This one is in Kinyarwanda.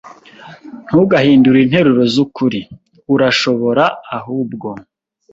Ntugahindure interuro zukuri. Urashobora, ahubwo,